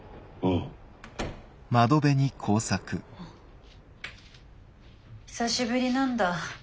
あ久しぶりなんだ